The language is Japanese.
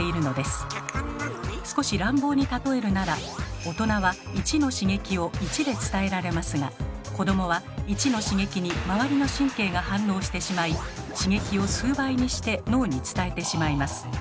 少し乱暴に例えるなら大人は１の刺激を１で伝えられますが子どもは１の刺激に周りの神経が反応してしまい刺激を数倍にして脳に伝えてしまいます。